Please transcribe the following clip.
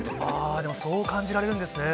でも、そう感じられるんですね。